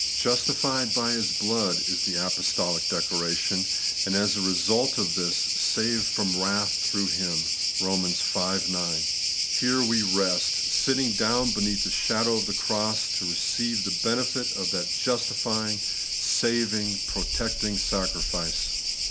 ' Justified by His llood ' is the apostolic declara tion ; and as the result of this, ' saved from wrath through Him ' (Eom. v. 9). Here we rest ; sitting down beneath the shadow of the cross to receive the benefit of that justifying, saving, protecting sacrifice.